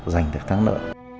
giành được thắng nợ